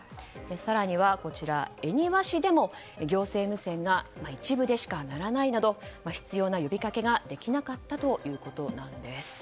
更には、恵庭市でも行政無線が一部でしか鳴らないなど必要な呼びかけができなかったということなんです。